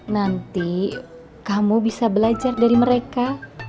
nanti kamu bisa belajar dari mereka